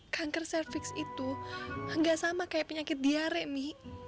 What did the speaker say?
kangker cervix itu gak sama kayak penyakit diare mi